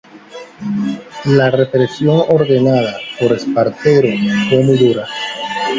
La represión ordenada por Espartero fue muy dura.